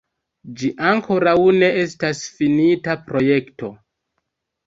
Ĝi ankoraŭ ne estas finita projekto.